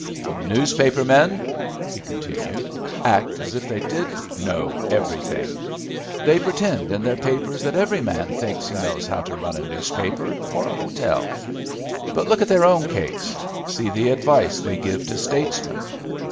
"Newspaper men," he continued, "act as if they did know everything. They pretend in their papers that every man thinks he knows how to run a newspaper or a hotel. But look at their own case. See the advice they give to statesmen.